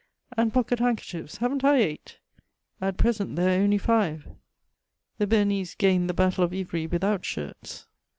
^' And pocket handkerchiefs ; haven't I eight?*' —*' At present there are only five." The Beamese gained the hattle of Ivry without shirts.